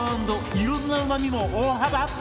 いろんなうまみも大幅アップ！